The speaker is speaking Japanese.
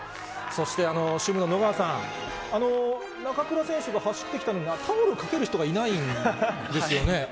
そして主務の野川さん、中倉選手が走ってきたのに、タオルかける人がいないんですよね。